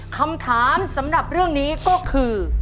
คำถามสำหรับเรื่องนี้ก็คือ